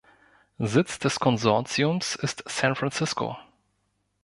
Sitz des Konsortiums ist San Francisco.